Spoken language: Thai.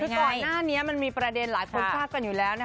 คือพอหน้านี้มันมีประเด็นหลายคนภาคนอยู่แล้ว